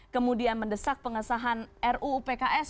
kemudian mendesak pengesahan ruu pks